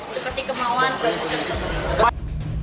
seperti kemauan produser tersebut